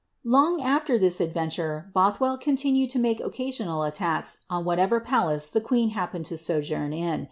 Long afier this adventure, Bolhwel! continued to make occafioiial attacks on whatever palace the queen happened to sojourn in.